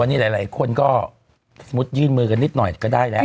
วันนี้หลายคนก็สมมุติยื่นมือกันนิดหน่อยก็ได้แล้ว